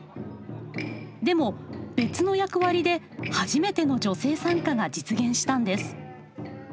でも別の役割で初めての女性参加が実現したんです。